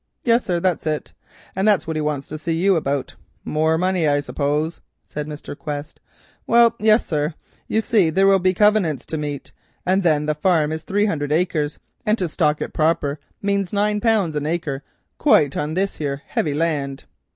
"Yes, sir, that's it; and that's what he wants to see you about." "More money, I suppose," said Mr. Quest. "Well, yis, sir. You see there will be covenants to meet, and then the farm is three hundred acres, and to stock it proper as it should be means nine pounds an acre quite, on this here heavy land."